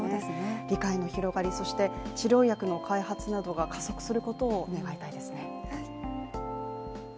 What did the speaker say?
理解の広がり、そして治療薬の開発などが進むことを願いますね。